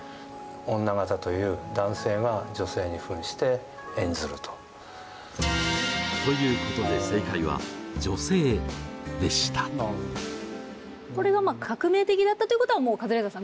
女形という男性が女性にふんして演ずると。ということでこれがまあ革命的だったということはもうカズレーザーさん